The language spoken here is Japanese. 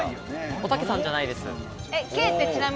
おたけさんじゃないです。